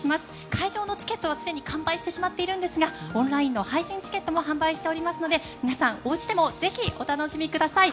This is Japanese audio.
会場のチケットはすでに完売してしまっているんですがオンラインの配信チケットも販売しておりますので皆さん、おうちでもぜひお楽しみください。